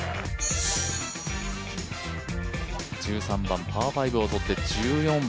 １３番パー５を取って、１４番。